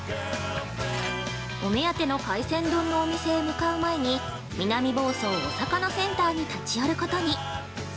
お目当ての海鮮丼のお店へ向かう前に南房総おさかなセンターに立ち寄ることに。